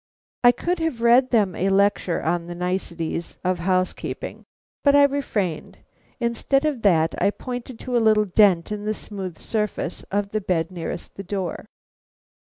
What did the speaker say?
I could have read them a lecture on the niceties of housekeeping, but I refrained; instead of that I pointed to a little dent in the smooth surface of the bed nearest the door.